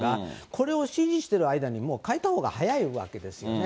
これを指示してる間に、もう書いたほうが早いわけですよね。